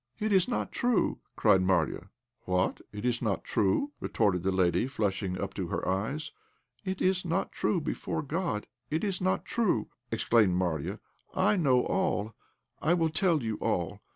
"It's not true!" cried Marya. "What! it's not true?" retorted the lady, flushing up to her eyes. "It is not true, before God it is not true," exclaimed Marya. "I know all; I will tell you all.